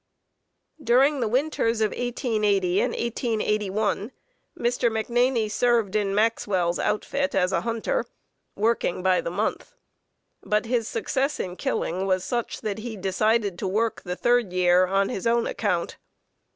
During the winters of 1880 and 1881 Mr. McNaney had served in Maxwell's outfit as a hunter, working by the month, but his success in killing was such that he decided to work the third year on his own account.